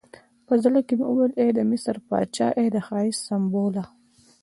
په زړه کې مې ویل ای د مصر پاچا، ای د ښایست سمبوله.